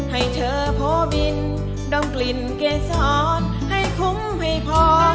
ให้เธอพ่อบินด้องกลิ่นเกียรติสอนให้คุ้มให้พอ